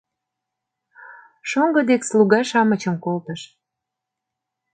Шоҥго дек слуга-шамычым колтыш.